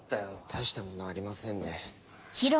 大したものはありませんね。